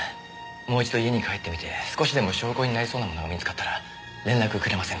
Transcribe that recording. もう一度家に帰ってみて少しでも証拠になりそうなものが見つかったら連絡くれませんか。